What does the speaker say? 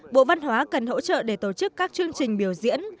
bộ văn hóa cần hỗ trợ để tổ chức các chương trình biểu diễn